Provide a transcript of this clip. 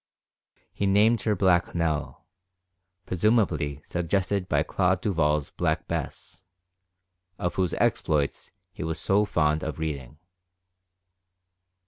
He named her Black Nell, presumably suggested by Claude Duval's Black Bess, of whose exploits he was so fond of reading.